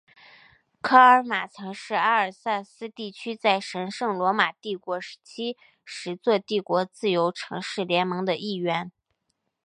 科尔马曾是阿尔萨斯地区在神圣罗马帝国时期十座帝国自由城市联盟的一员。